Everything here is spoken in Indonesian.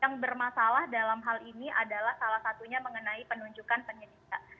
yang bermasalah dalam hal ini adalah salah satunya mengenai penunjukan penyedia